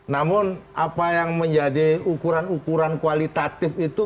namun apa yang menjadi ukuran ukuran kualitatif itu